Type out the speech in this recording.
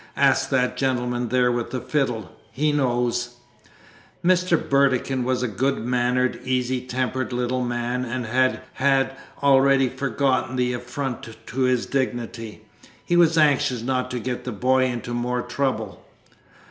"Ask that gentleman there with the fiddle he knows." Mr. Burdekin was a good natured, easy tempered little man, and had already forgotten the affront to his dignity. He was anxious not to get the boy into more trouble.